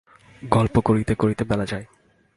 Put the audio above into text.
গল্প করিতে করিতে বেলা যায়।